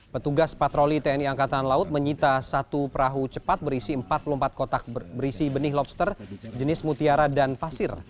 petugas patroli tni angkatan laut menyita satu perahu cepat berisi empat puluh empat kotak berisi benih lobster jenis mutiara dan pasir